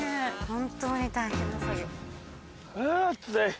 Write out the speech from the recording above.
本当に大変な作業。